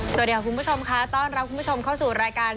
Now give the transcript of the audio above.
สวัสดีค่ะคุณผู้ชมค่ะต้อนรับคุณผู้ชมเข้าสู่รายการ